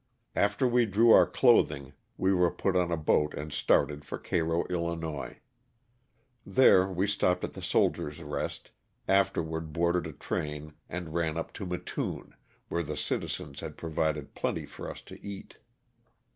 After we drew our clothing we were put on a boat and started for Cairo, 111. There we stopped at the Soldier's Kest, afterward boarded a train and ran up to Mattoon, where the citizens had provided plenty for us to eat.